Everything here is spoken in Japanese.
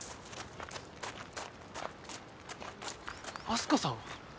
明日香さん！？